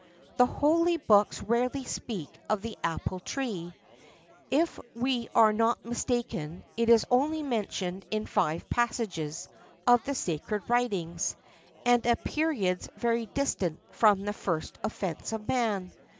The holy books rarely speak of the apple tree. If we are not mistaken, it is only mentioned in five passages[XIII 19] of the sacred writings, and at periods very distant from the first offence of man.